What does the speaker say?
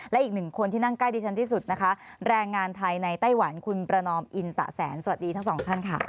และอีกหนึ่งคนที่นั่งใกล้ดิฉันที่สุดนะคะแรงงานไทยในไต้หวันคุณประนอมอินตะแสนสวัสดีทั้งสองท่านค่ะ